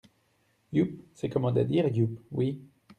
Yupp !… c’est commode à dire, "yupp" oui !